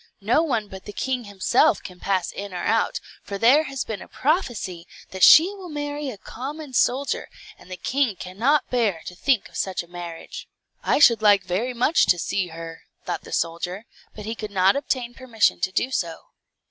No one but the king himself can pass in or out, for there has been a prophecy that she will marry a common soldier, and the king cannot bear to think of such a marriage." "I should like very much to see her," thought the soldier; but he could not obtain permission to do so.